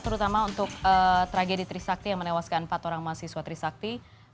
terutama untuk tragedi trisakti yang menewaskan empat orang mahasiswa trisakti